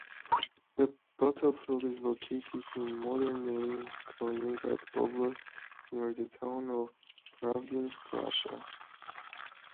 The battlefield is located in modern-day Kaliningrad Oblast, near the town of Pravdinsk, Russia.